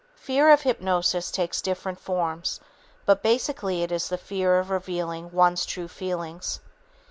Fear of hypnosis takes different forms, but basically it is the fear of revealing one's true feelings.